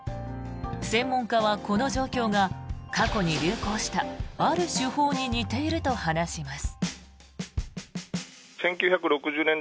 専門家は、この状況が過去に流行したある手法に似ていると話します。